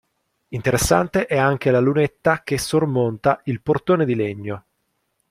Interessante è anche la lunetta che sormonta il portone di legno.